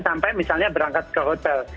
sampai misalnya berangkat ke hotel